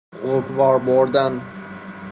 غوک وار بردن